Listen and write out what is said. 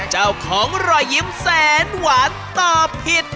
เจ้าของรอยยิ้มแสนหวานตอบผิด